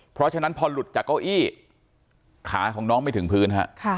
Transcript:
เพราะฉะนั้นพอหลุดจากเก้าอี้ขาของน้องไม่ถึงพื้นฮะ